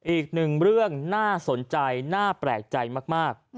อีกหนึ่งเรื่องน่าสนใจน่าแปลกใจมาก